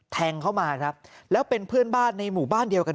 แทงเข้ามาครับแล้วเป็นเพื่อนบ้านในหมู่บ้านเดียวกัน